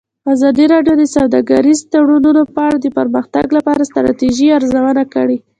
ازادي راډیو د سوداګریز تړونونه په اړه د پرمختګ لپاره د ستراتیژۍ ارزونه کړې.